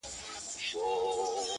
د هغه ورځي څه مي،